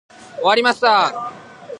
終わりました。